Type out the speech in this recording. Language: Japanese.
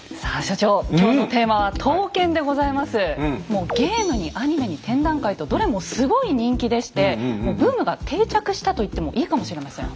もうゲームにアニメに展覧会とどれもすごい人気でしてもうブームが定着したと言ってもいいかもしれません。